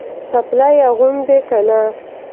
څپلۍ اغوندې که نه؟